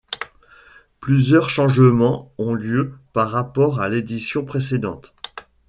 Plusieurs changements ont lieu par rapport à l'édition précédente.